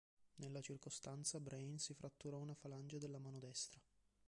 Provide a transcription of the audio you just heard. Nella circostanza Brain si fratturò una falange della mano destra.